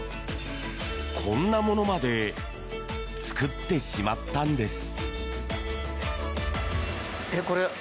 こんなものまで作ってしまったんです。